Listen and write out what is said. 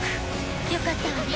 よかったわね。